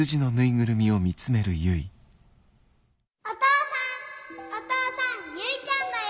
お父さんお父さんゆいちゃんだよ。